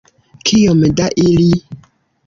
Kiom da ili?